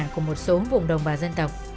của một số vùng đồng bà dân tộc